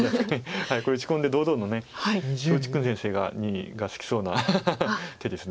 これ打ち込んで堂々の趙治勲先生が好きそうな手です。